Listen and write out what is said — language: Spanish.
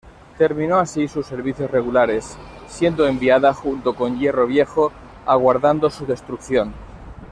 Terminó así sus servicios regulares, siendo enviada junto con hierro viejo, aguardando su destrucción.